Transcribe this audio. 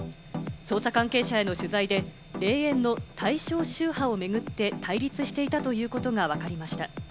捜査関係者への取材で霊園の対象宗派を巡って対立していたということがわかりました。